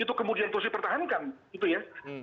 itu kemudian terus dipertahankan gitu ya